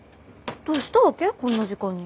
どうしたわけ？こんな時間に。